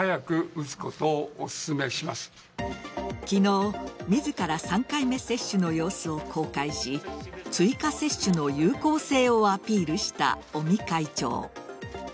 昨日、自ら３回目接種の様子を公開し追加接種の有効性をアピールした尾身会長。